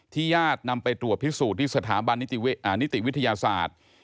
ญาตินำไปตรวจพิสูจน์ที่สถาบันนิติวิทยาศาสตร์